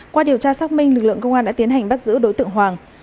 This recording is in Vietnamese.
qua điều tra xác minh lực lượng công an đã tiến hành bắt giữ đối tượng hoàng